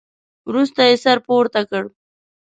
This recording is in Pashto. وروسته يې سر پورته کړ.